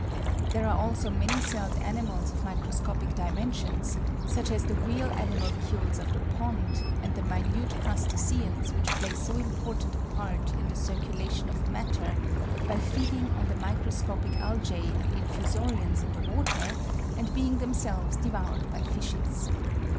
There are also many celled animals of miscroscopic dimensions, such as the wheel animalcules of the pond and the minute crustaceans which play so important a part in the circulation of matter by feeding on the microscopic Algse and Infusorians in the water and being themselves devoured by fishes.